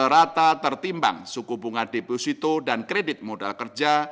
rata tertimbang suku bunga deposito dan kredit modal kerja